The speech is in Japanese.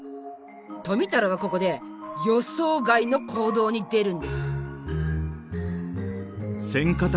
富太郎はここで予想外の行動に出るんです！